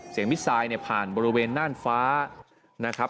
เสียงมิสไซล์ผ่านบริเวณน่านฟ้า